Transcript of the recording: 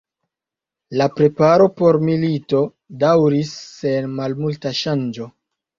La preparo por milito daŭris sen malmulta ŝanĝo.